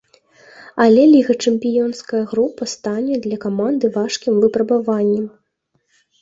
Але лігачэмпіёнская група стане для каманды важкім выпрабаваннем.